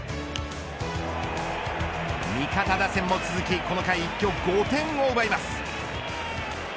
味方打線も続きこの回一挙５点を奪います。